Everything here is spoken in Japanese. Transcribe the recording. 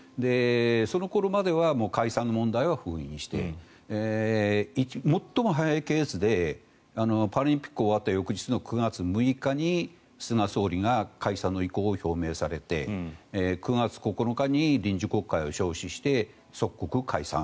その頃までは解散問題は封印して最も早いケースでパラリンピックが終わった翌日の９月６日に菅総理が解散の意向を表明されて９月９日に臨時国会を召集して即刻解散。